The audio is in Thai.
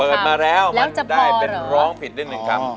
เปิดมาแล้วมันได้เป็นร้องผิดได้๑คำ